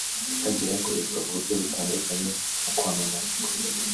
hagiye hakoreshwa uburyo butandukanye mu kwamamaza